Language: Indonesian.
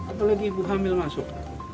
apalagi ibu hamil masuk